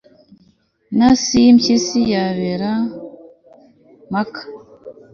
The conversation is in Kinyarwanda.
intasi y'impyisi yabira maka